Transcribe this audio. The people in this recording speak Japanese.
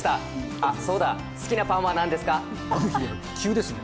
あっ、そうだ、好きなパンはなん急ですね。